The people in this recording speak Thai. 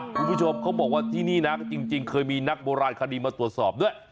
คุณผู้ชมเขาบอกว่าที่นี่นะจริงเคยมีนักโบราณคดีมาตรวจสอบด้วย